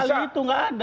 sekali itu gak ada